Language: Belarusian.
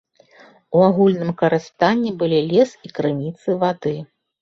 У агульным карыстанні былі лес і крыніцы вады.